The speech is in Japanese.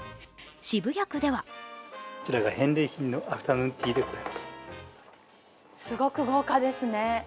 渋谷区ではすごく豪華ですね。